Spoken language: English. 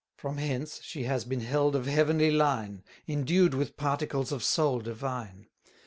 From hence she has been held of heavenly line, Endued with particles of soul divine.